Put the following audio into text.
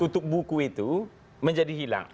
tutup buku itu menjadi hilang